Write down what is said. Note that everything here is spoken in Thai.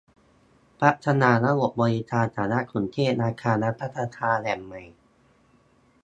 พัฒนาระบบบริการสารสนเทศอาคารรัฐสภาแห่งใหม่